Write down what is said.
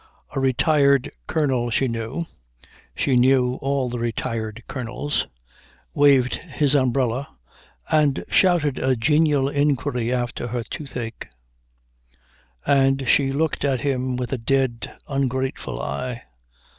A retired colonel she knew she knew all the retired colonels waved his umbrella and shouted a genial inquiry after her toothache, and she looked at him with a dead, ungrateful eye.